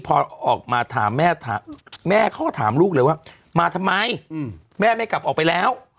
พอออกมาถามแม่แม่เขาก็ถามลูกเลยว่ามาทำไมแม่ไม่กลับออกไปแล้ว